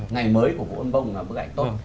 ngày mới của vũ văn bông là bức ảnh tốt